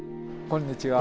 こんにちは。